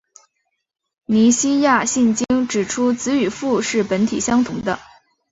尼西亚信经指出子与父是本体相同的。